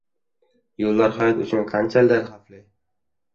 Yo‘llar hayot uchun qanchalar xavfli?